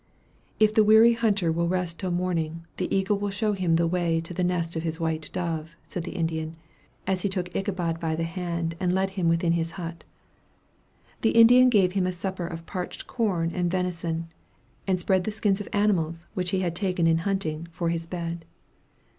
"If the weary hunter will rest till morning, the eagle will show him the way to the nest of his white dove," said the Indian, as he took Ichabod by the hand and led him within his hut. The Indian gave him a supper of parched corn and venison, and spread the skins of animals, which he had taken in hunting, for his bed.